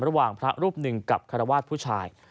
ระหว่างพระรูปหนึ่งกับคารวาสผู้ชาย